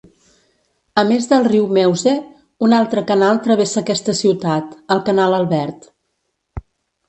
A més del riu Meuse, un altre canal travessa aquesta ciutat, el Canal Albert.